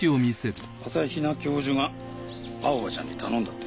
朝比奈教授が青葉ちゃんに頼んだって。